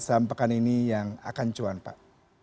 saham pekan ini yang akan cuan pak